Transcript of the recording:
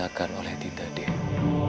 yang dilakukan oleh dinda dewi